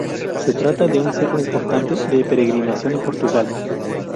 Se trata de un centro importante de peregrinación en Portugal.